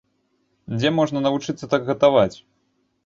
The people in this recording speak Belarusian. Дзе можна навучыцца так гатаваць?